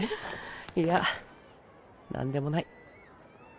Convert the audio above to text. いや何でもない。